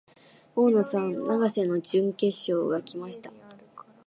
大野さん、永瀬の準決勝が来ました。